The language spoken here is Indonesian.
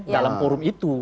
dalam forum itu